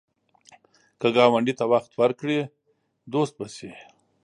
که ګاونډي ته وخت ورکړې، دوست به شي